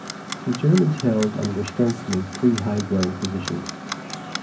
The Germans held and were strengthening three high-ground positions.